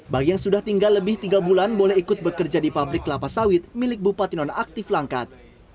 bagi yang sudah tinggal lebih tiga bulan boleh ikut bekerja di pabrik kelapa sawit milik bupati nonaktif langkat